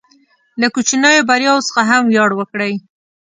له کوچنیو بریاوو څخه هم ویاړ وکړئ.